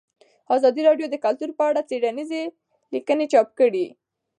ازادي راډیو د کلتور په اړه څېړنیزې لیکنې چاپ کړي.